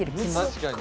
確かに。